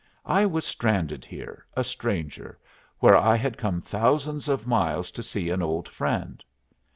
I was stranded here, a stranger, where I had come thousands of miles to see an old friend.